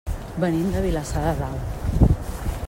Venim de Vilassar de Dalt.